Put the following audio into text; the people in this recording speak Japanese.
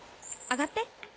上がって。